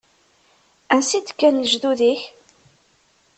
Ansi d-kkan lejdud-ik?